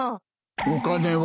お金は？